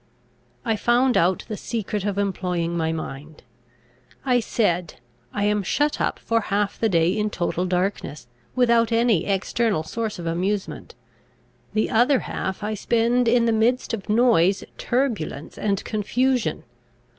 I found out the secret of employing my mind. I said, "I am shut up for half the day in total darkness, without any external source of amusement; the other half I spend in the midst of noise, turbulence, and, confusion.